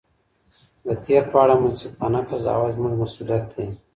د تېر په اړه منصفانه قضاوت زموږ مسؤلیت دی.